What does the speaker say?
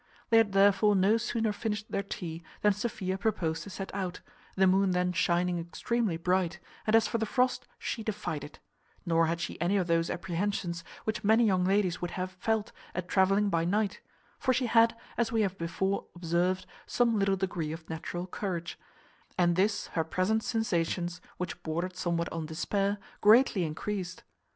They had therefore no sooner finished their tea than Sophia proposed to set out, the moon then shining extremely bright, and as for the frost she defied it; nor had she any of those apprehensions which many young ladies would have felt at travelling by night; for she had, as we have before observed, some little degree of natural courage; and this, her present sensations, which bordered somewhat on despair, greatly encreased.